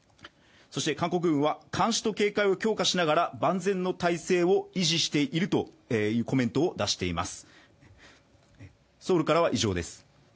そして韓国軍は監視と警戒を強化しながら万全の態勢を維持しているというコメントを出しています。